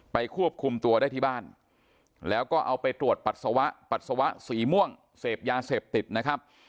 ควบคุมตัวได้ที่บ้านแล้วก็เอาไปตรวจปัสสาวะปัสสาวะสีม่วงเสพยาเสพติดนะครับ